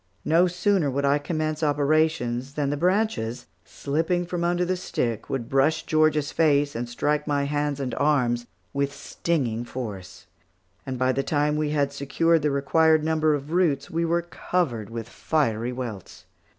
No sooner would I commence operations than the branches, slipping from under the stick, would brush Georgia's face, and strike my hands and arms with stinging force, and by the time we had secured the required number of roots, we were covered with fiery welts.